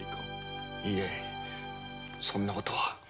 いえそんなことは。